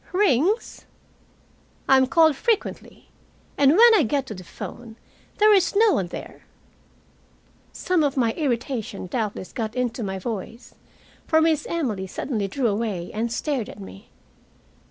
"Rings?" "I am called frequently and when I get to the phone, there is no one there." Some of my irritation doubtless got into my voice, for Miss Emily suddenly drew away and stared at me.